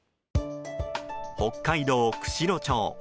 北海道釧路町。